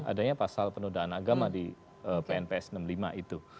adanya pasal penodaan agama di pnps enam puluh lima itu